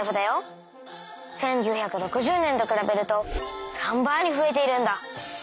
１９６０年とくらべると３倍にふえているんだ。